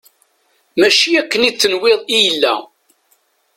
Mačči akken i tenwiḍ i yella.